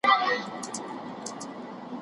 غلیمان ډېر دي خو په خپل کهاله کي ورور نه لري